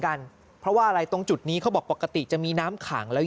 กันเพราะว่าอะไรตรงจุดนี้เขาบอกปกติจะมีน้ำขังแล้ว